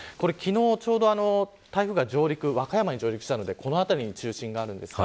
ちょうど台風が和歌山に上陸したのでこの辺りに中心がります。